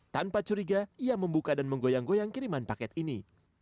tanpa curiga ia membuka dan menggoyang goyang kiriman paket ini